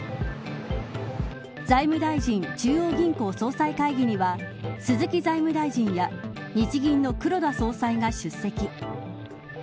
財務大臣中央銀行総裁会議には鈴木財務大臣や日銀の黒田総裁が出席。